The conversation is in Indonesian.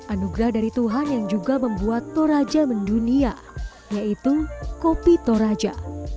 anugerah dari tuhan yang juga membuat toraja mendunia yaitu kopi toraja